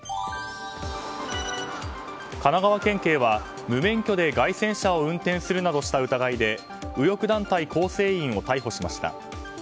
神奈川県警は無免許で街宣車を運転するなどした疑いで右翼団体構成員を逮捕しました。